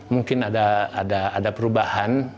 mungkin ada perubahan